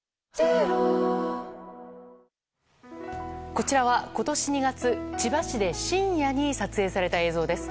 こちらは今年２月、千葉市で深夜に撮影された映像です。